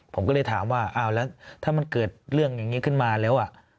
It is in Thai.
ผมก็เลยถามว่าอ้าวแล้วถ้ามันเกิดเรื่องอย่างนี้ขึ้นมาแล้ว